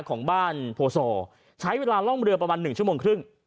ของบ้านโพศใช้เวลาล่องเรือประมาณ๑ชั่วโมงครึ่ง